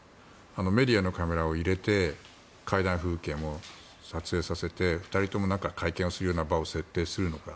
メディアのカメラを入れて会談風景も撮影させて２人とも会見をするような場を設定するのか。